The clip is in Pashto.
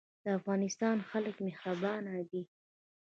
د افغانستان خلک مهربان دي